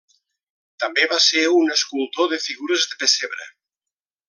També va ser un escultor de figures de pessebre.